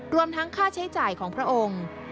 รวมทั้งค่าใช้จ่ายของพระองค์